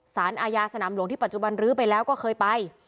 สารอาญาสนามหลวงที่ปัจจุบันรื้อไปแล้วก็เคยไป